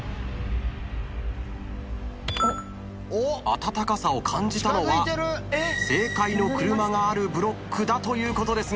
温かさを感じたのは正解の車があるブロックだということですが。